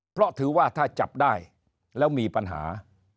เพราะถือว่าถ้าจับได้แล้วมีปัญหา